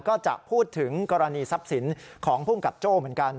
ก็จะพูดถึงกรณีทรัพย์สินของภูมิกับโจ้เหมือนกัน